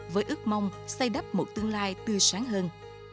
với ước mong xây đắp một tương lai tươi sáng hơn